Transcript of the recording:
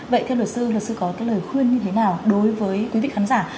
vậy theo luật sư luật sư có cái lời khuyên như thế nào đối với quý vị khán giả